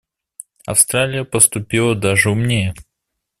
Австралия поступила даже умнее.